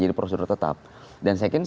jadi prosedur tetap dan saya kira